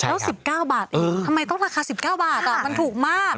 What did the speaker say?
แล้ว๑๙บาทเองทำไมต้องราคา๑๙บาทมันถูกมาก